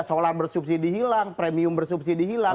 seolah olah bersubsidi hilang premium bersubsidi hilang